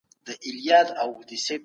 موږ منفي هم ښه زده کوو.